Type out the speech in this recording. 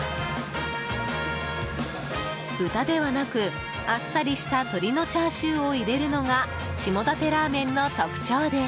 豚ではなく、あっさりした鶏のチャーシューを入れるのが下館ラーメンの特徴です。